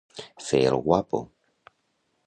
Fer el guapo.